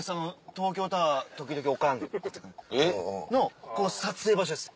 「東京タワー時々オカン」の撮影場所です。